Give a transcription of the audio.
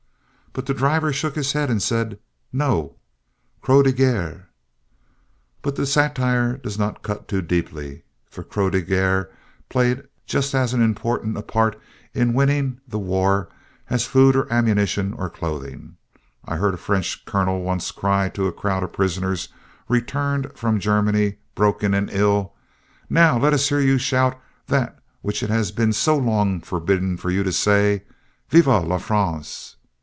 But the driver shook his head and said, 'No; Croix de Guerre.'" But the satire does not cut too deeply, for Croix de Guerre played just as important a part in winning the war as food or ammunition or clothing. I heard a French colonel once cry to a crowd of prisoners returned from Germany, broken and ill: "Now, let us hear you shout that which it has been so long forbidden to you to say, 'Vive la France!'"